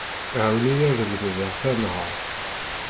Ɛiwen-iyi ad lemdeɣ tanehart.